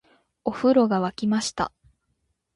お風呂が湧きました